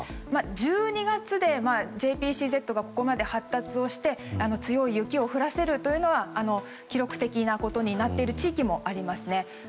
１２月でＪＰＣＺがここまで発達をして強い雪を降らせるというのは記録的なことになっている地域もありますね。